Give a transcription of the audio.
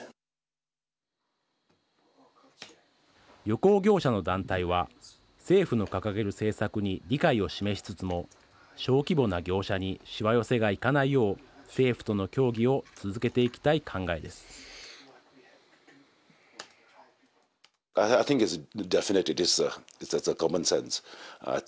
旅行業者の団体は政府の掲げる政策に理解を示しつつも小規模な業者にしわ寄せがいかないよう政府との協議を続けていきたい考えです。